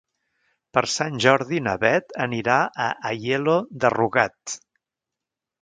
Per Sant Jordi na Beth anirà a Aielo de Rugat.